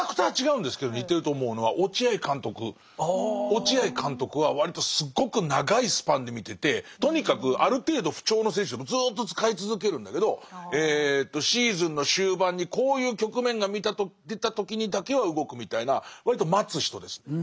落合監督は割とすごく長いスパンで見ててとにかくある程度不調の選手でもずっと使い続けるんだけどシーズンの終盤にこういう局面が出た時にだけは動くみたいな割と待つ人ですね。